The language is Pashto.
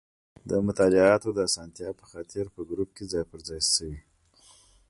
د مطالعاتو د اسانتیا په خاطر په ګروپ کې ځای په ځای شوي.